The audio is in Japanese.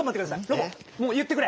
ロボもういってくれ！